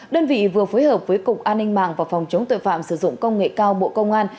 đơn vị vừa phối hợp với cục an ninh mạng và phòng chống tội phạm sử dụng công nghệ cao bộ công an